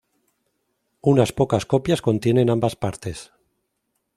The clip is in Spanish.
Unas pocas copias contienen ambas partes.